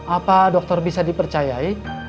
apa dokter bisa dipercayai